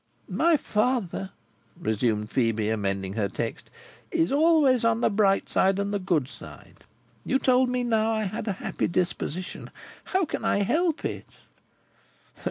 "My father," resumed Phœbe, amending her text, "is always on the bright side, and the good side. You told me just now, I had a happy disposition. How can I help it?"